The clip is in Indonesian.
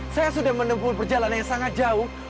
saya sudah menempuh perjalanan yang sangat jauh